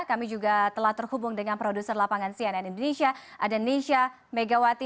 kami juga telah terhubung dengan produser lapangan cnn indonesia ada nisha megawati